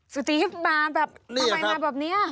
สุธิมาแบบทำไมมาแบบนี้